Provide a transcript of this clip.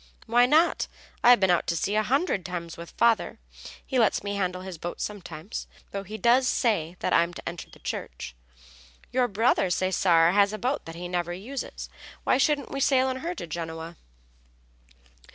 "Why not? I've been out to sea a hundred times with father. He lets me handle his boat sometimes, though he does say that I'm to enter the Church. Your brother, Cesare, has a boat that he never uses. Why shouldn't we sail in her to Genoa?"